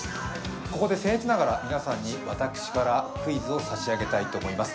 ここでせん越ながら皆さんに私からクイズを差し上げたいと思います。